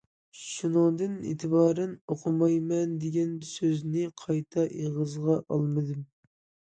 شۇنىڭدىن ئېتىبارەن‹‹ ئوقۇمايمەن›› دېگەن سۆزنى قايتا ئېغىزغا ئالمىدىم.